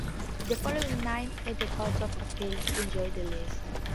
The following nine at the Court of Appeal he enjoyed the least.